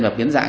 là biến dạng